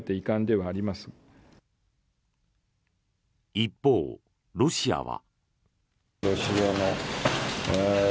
一方、ロシアは。